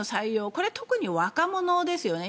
これ、特に若者ですよね。